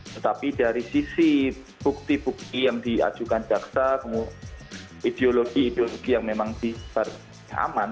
tetapi dari sisi bukti bukti yang diajukan jaksa ideologi ideologi yang memang diperhaman